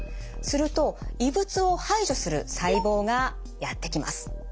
すると異物を排除する細胞がやって来ます。